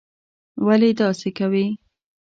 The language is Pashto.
ولي داسې کوې?